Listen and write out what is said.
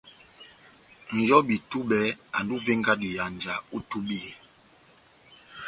Nʼyobi-túbɛ andi ó ivenga dihanja ó itúbiyɛ.